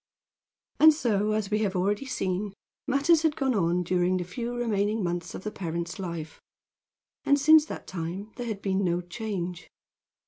And so, as we have already seen, matters had gone on during the few remaining months of the parent's life. And since that time there had been no change.